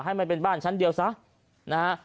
ให้มันเป็นบ้านชั้นเดียวซะนะฮะ